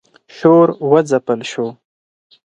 شور و ځپل شو.